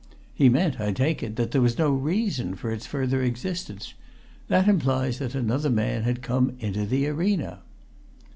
He meant, I take it, that there was no reason for its further existence. That implies that another man had come into the arena!"